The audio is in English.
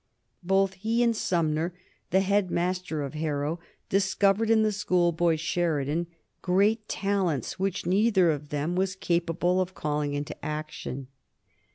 Both he and Sumner, the head master of Harrow, discovered in the schoolboy Sheridan great talents which neither of them was capable of calling into action.